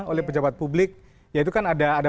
oleh pejabat publik ya itu kan ada